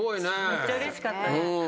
めっちゃうれしかったです。